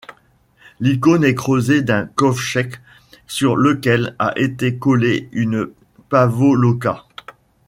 L'icône est creusée d'un kovtcheg, sur lequel a été collé une pavoloka.